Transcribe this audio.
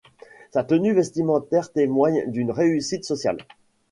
Sa tenue vestimentaire témoigne d'une réussite sociale.